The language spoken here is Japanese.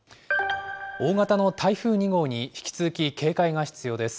大型の台風２号に引き続き警戒が必要です。